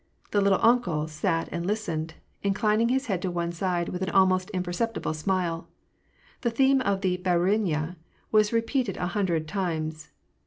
The " little uncle " sat and listened, inclining his head to one side with an almost imperceptible smile. The theme of the Bdruinya was repeated a hundred times.